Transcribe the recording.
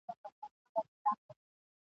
خلک ئې قبر ته درناوی کوي.